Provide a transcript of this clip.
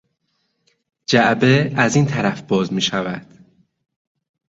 جعبه از این طرف باز میشود.